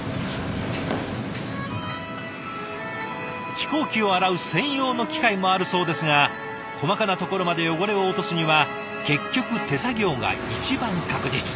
飛行機を洗う専用の機械もあるそうですが細かなところまで汚れを落とすには結局手作業が一番確実。